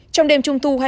trong đêm trung thu